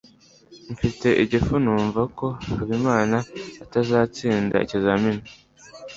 mfite igifu numva ko habimana atazatsinda ikizamini